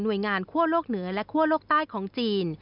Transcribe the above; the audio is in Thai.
หน่วยงานข้วโลกเหนือและข้วโลกใต้ของจีน